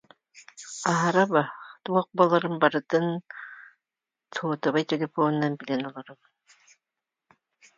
Онон соҕуруу туох быһыы-майгы буола турарын син удумаҕалатар буолуохтаах